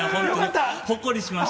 ほっこりしました。